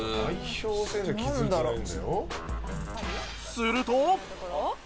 すると。